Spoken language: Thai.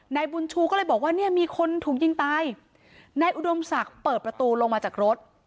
นายบุญชูก็เลยบอกว่าเนี่ยมีคนถูกยิงตายนายอุดมศักดิ์เปิดประตูลงมาจากรถ